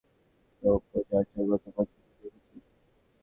তো পূজা-অর্চনার করতে পঞ্চায়েত ডেকেছেন?